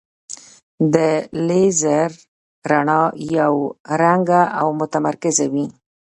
د لیزر رڼا یو رنګه او متمرکزه وي.